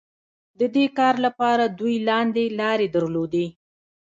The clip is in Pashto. د دې کار لپاره دوی لاندې لارې درلودې.